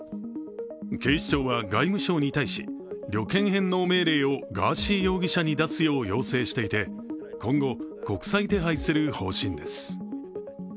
警視庁は外務省に対し旅券返納命令をガーシー容疑者に出すよう要請していて今後、国際手配する方針です。